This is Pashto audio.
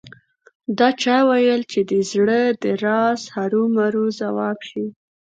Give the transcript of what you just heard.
دا چا ویل چې د زړه د راز هرو مرو ځواب شي